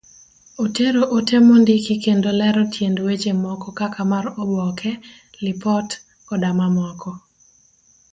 Otero ote mondiki kendo lero tiend weche moko kaka mar oboke, lipot, koda mamoko.